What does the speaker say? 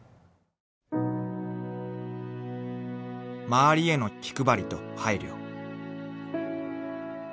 ［周りへの気配りと配慮］